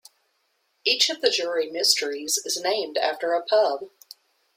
Each of the Jury mysteries is named after a pub.